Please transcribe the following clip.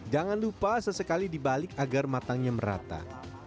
jangan lupa sesekali dibalik agar matangnya merata